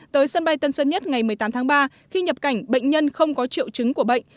tới sân bay tân sơn nhất ngày một mươi tám tháng ba khi nhập cảnh bệnh nhân không có triệu chứng của bệnh